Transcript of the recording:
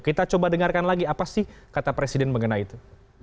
kita coba dengarkan lagi apa sih kata presiden mengenai itu